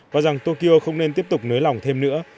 và rằng tokyo không nên tiếp tục nới lỏng thêm nữa